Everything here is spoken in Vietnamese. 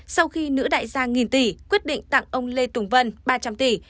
sau khi nữ đại gia nghìn tỷ quyết định tặng ông lê tùng vân ba trăm linh tỷ